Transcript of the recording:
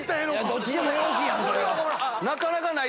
どっちでもよろしいやん。